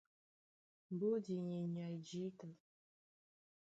Mbódi í e nyay jǐta.